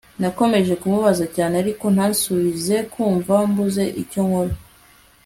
nakomeje kumubaza cyane ariko ntasubize nkumva mbuze icyo nkora